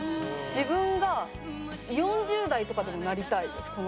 自分が４０代とかでもなりたいです